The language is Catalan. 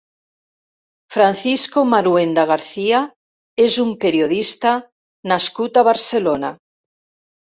Francisco Marhuenda García és un periodista nascut a Barcelona.